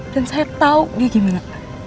dan saya tau dia gimana